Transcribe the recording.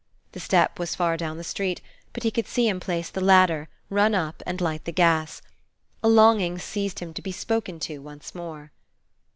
The step was far down the street; but he could see him place the ladder, run up, and light the gas. A longing seized him to be spoken to once more.